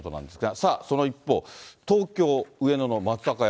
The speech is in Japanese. さあ、その一方、東京・上野の松坂屋。